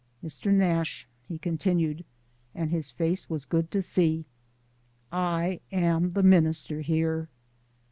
"Mr. Nash," he continued, and his face was good to see, "I am the minister here.